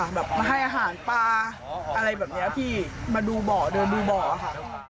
แบบมาให้อาหารปลาอะไรแบบนี้พี่มาดูบ่อเดินดูบ่อค่ะ